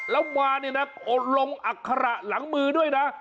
แล้วมาเนี่ยนะลงอัคระหลังมือด้วยนะ